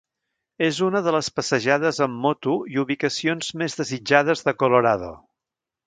És una de les passejades en moto i ubicacions més desitjades de Colorado.